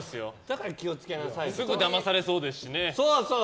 すぐだまされそうですしね。